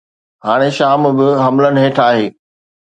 هاڻي شام به حملن هيٺ آهي.